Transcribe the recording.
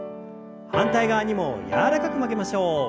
反対側にも柔らかく曲げましょう。